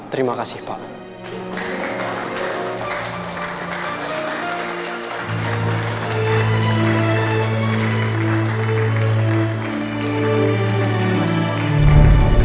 terima kasih pak